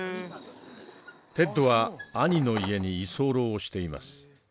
テッドは兄の家に居候をしています。